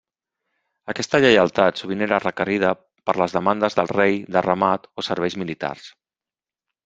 Aquesta lleialtat sovint era requerida per les demandes del rei de ramat o serveis militars.